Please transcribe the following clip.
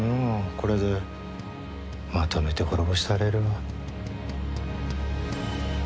これでまとめて滅ぼしたれるわ。